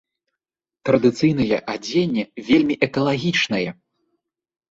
Традыцыйнае адзенне вельмі экалагічнае.